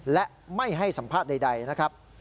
และไม่ให้สัมภาษณ์ใดนะครับ